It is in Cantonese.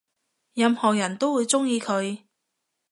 任何人都會鍾意佢